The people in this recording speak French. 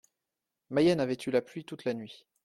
Mayenne avait eu la pluie toute la nuit.